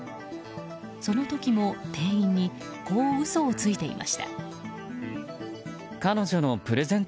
その時も、店員にこう嘘をついていました。